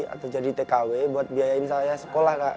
atau jadi tkw buat biayain saya sekolah kak